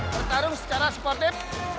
bertarung secara sportif